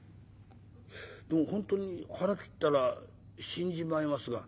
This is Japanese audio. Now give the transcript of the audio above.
「でも本当に腹切ったら死んじまいますが」。